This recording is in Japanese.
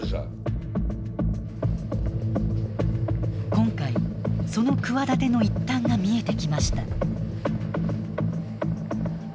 今回その企ての一端が見えてきました。